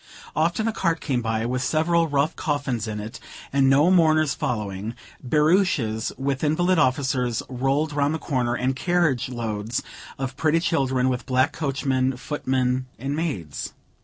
Often a cart came by, with several rough coffins in it and no mourners following; barouches, with invalid officers, rolled round the corner, and carriage loads of pretty children, with black coachmen, footmen, and maids.